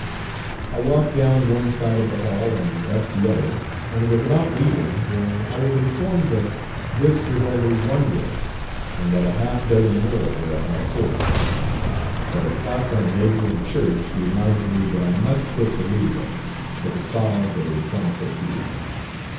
I walked down one side of the hall and up the other, and was about leaving, when I was informed that this was only one room, and that a half dozen more were at my service; but a clock on a neighbouring church reminded me that I must quit the Louvre for the Salle de St. Cecile.